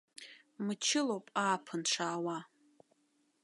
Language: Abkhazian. Мчылоуп ааԥын шаауа.